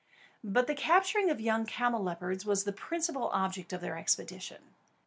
But the capturing of the young camelopards was the principal object of their expedition.